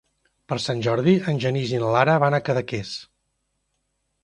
Per Sant Jordi en Genís i na Lara van a Cadaqués.